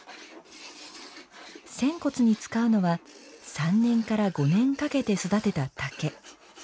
扇骨に使うのは３年から５年かけて育てた竹。